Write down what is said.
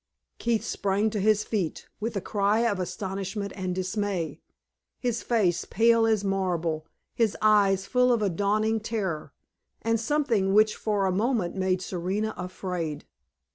Keith sprang to his feet, with a cry of astonishment and dismay, his face pale as marble, his eyes full of a dawning terror, and something which for a moment made Serena afraid.